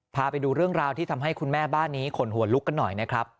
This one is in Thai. พาไปดูเรื่องราวที่ทำให้คุณแม่บ้านนี้ขนหัวลุกกันหน่อยนะครับ